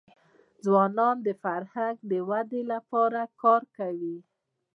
ځوانان د فرهنګ د ودي لپاره کار کوي.